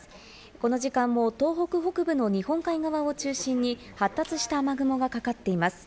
この時間も東北北部の日本海側を中心に発達した雨雲がかかっています。